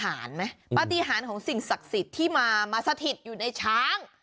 ไหมปฏิหารของสิ่งศักดิ์สิทธิ์ที่มามาสถิตอยู่ในช้าง